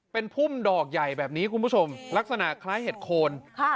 เป็นพุ่มดอกใหญ่แบบนี้คุณผู้ชมลักษณะคล้ายเห็ดโคน